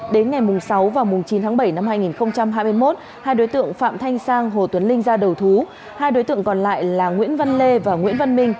đến ngày sáu và chín tháng bảy năm hai nghìn hai mươi một hai đối tượng phạm thanh sang hồ tuấn linh ra đầu thú hai đối tượng còn lại là nguyễn văn lê và nguyễn văn minh